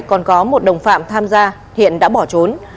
còn có một đồng phạm tham gia hiện đã bỏ trốn